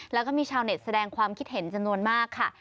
แล้วก็มีชาวเน็ตแสดงความคิดเห็นจำนวนมากค่ะ